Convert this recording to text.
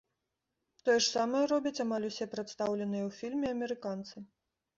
Тое ж самае робяць амаль усе прадстаўленыя ў фільме амерыканцы.